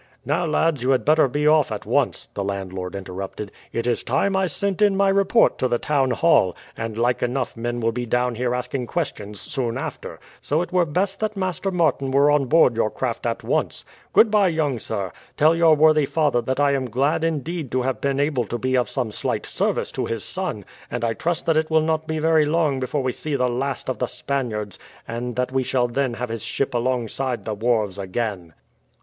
"Now, lads, you had better be off at once," the landlord interrupted. "It is time I sent in my report to the town hall; and like enough men will be down here asking questions soon after, so it were best that Master Martin were on board your craft at once. Goodbye, young sir. Tell your worthy father that I am glad indeed to have been able to be of some slight service to his son, and I trust that it will not be very long before we see the last of the Spaniards, and that we shall then have his ship alongside the wharves again."